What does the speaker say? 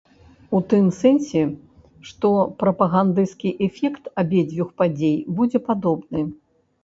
У тым сэнсе, што прапагандысцкі эфект абедзвюх падзей будзе падобны.